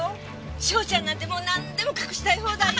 章ちゃんなんてもうなんでも隠したい放題よ。